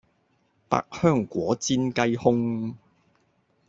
百香果煎雞胸